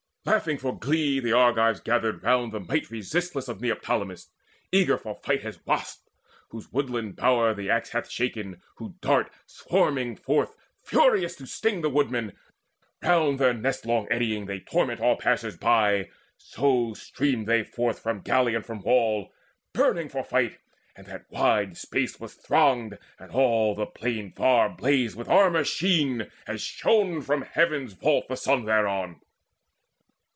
Laughing for glee the Argives gathered round The might resistless of Neoptolemus, Eager for fight as wasps [whose woodland bower The axe] hath shaken, who dart swarming forth Furious to sting the woodman: round their nest Long eddying, they torment all passers by; So streamed they forth from galley and from wall Burning for fight, and that wide space was thronged, And all the plain far blazed with armour sheen, As shone from heaven's vault the sun thereon.